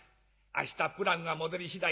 明日プラグが戻り次第